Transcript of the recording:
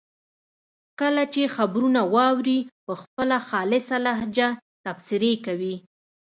کله چې خبرونه واوري په خپله خالصه لهجه تبصرې کوي.